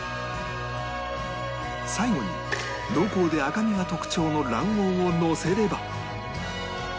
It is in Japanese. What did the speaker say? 最後に濃厚で赤みが特徴の卵黄をのせれば